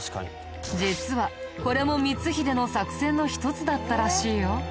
実はこれも光秀の作戦の一つだったらしいよ。